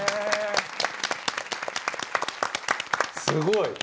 すごい！